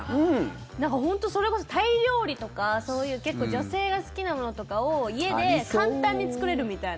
本当にそれこそタイ料理とか結構女性が好きなものとかを家で簡単に作れるみたいな。